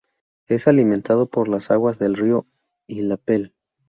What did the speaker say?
Es alimentado por las aguas del río Illapel.